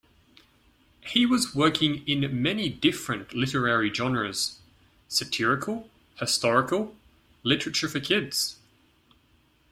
He was working in many different literary genres: satirical, historical, literature for kids.